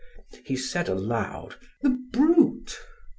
He said aloud: "The brute!"